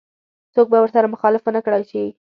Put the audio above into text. څوک به ورسره مخالفت ونه کړای شي.